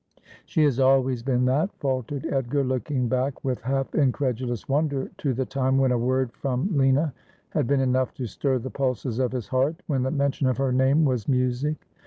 ' She has always been that,' faltered Edgar, looking back with half incredulous wonder to the time when a word from Q 242 Asphodel. Lina had been enough to stir the pulses of his heart, when the mention of her name was music.